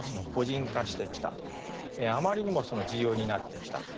あまりにも自由になってきたと。